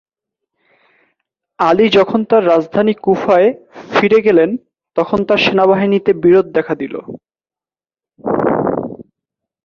আলী যখন তার রাজধানী কুফায় ফিরে গেলেন, তখন তাঁর সেনাবাহিনীতে বিরোধ দেখা দিল।